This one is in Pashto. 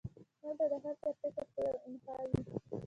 هلته د هر چا فکر پۀ يوه انتها وي